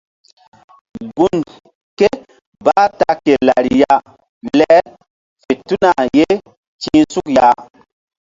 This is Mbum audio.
Gun ké bah ta ke lariya le fe tuna ye ti̧h suk ya.